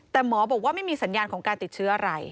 แต่หมอบอกว่าไม่มีสัญญาณของการติดเชื้ออะไร